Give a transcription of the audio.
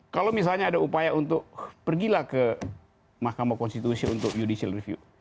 kalau misalnya ada upaya untuk pergilah ke mahkamah konstitusi untuk judicial review